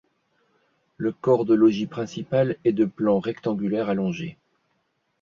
Le corps de logis principal est de plan rectangulaire allongé.